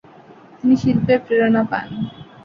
তিনি শিল্পের প্রেরণা পান।